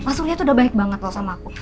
pas surya tuh udah baik banget loh sama aku